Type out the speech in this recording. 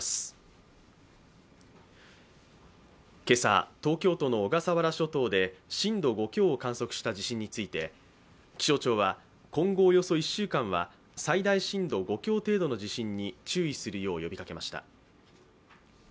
今朝、東京都の小笠原諸島で震度５強を観測した地震について気象庁は、今後およそ１週間は最大震度５強程度の地震に注意するよう呼びかけました。